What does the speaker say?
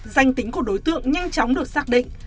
danh tính của đối tượng nhanh chóng được xác định